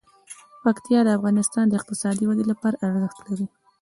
پکتیا د افغانستان د اقتصادي ودې لپاره ارزښت لري.